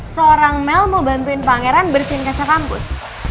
seorang mel mau bantuin pangeran bersin kaca kampus